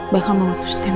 bahkan mengutus tim